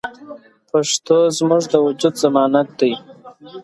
پښتو زموږ د وجود ضمانت دی.